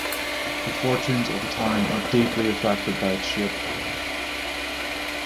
The fortunes of a town are deeply affected by its shape.